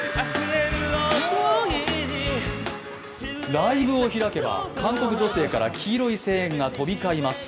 ライブを開けば韓国女性から黄色い声援が飛び交います。